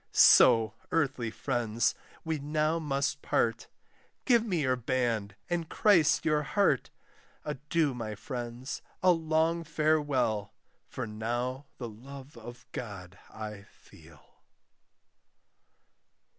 So, earthly friends, we now must part: Give me your band, and Christ your heart. Adieu, my friends, a long farewell For now the love of God I feel.